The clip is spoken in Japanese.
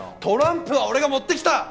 トランプは俺が持ってきた！